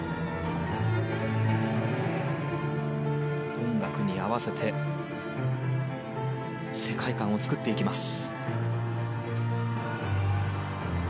音楽に合わせて世界観を作っていきます。